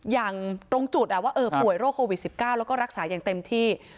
อย่างตรงจุดว่าป่วยโรคโควิด๑๙แล้วก็รักษาอย่างเต็มที่